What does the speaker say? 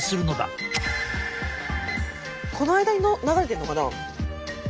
この間に流れてるのかな？